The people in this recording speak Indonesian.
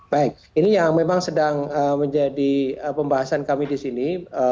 baik ini yang memang sedang menjadi pembahasan kami di sini